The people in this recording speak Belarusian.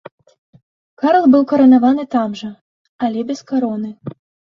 Карл быў каранаваны там жа, але без кароны.